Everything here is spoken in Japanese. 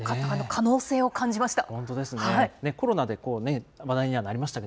可能性を感じました。